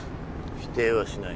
否定はしない。